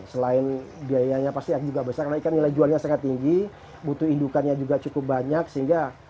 selain biayanya pasti juga besar karena ikan nilai jualnya sangat tinggi butuh indukannya juga cukup banyak sehingga